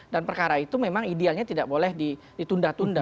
dan perkara itu memang idealnya tidak boleh ditunda tunda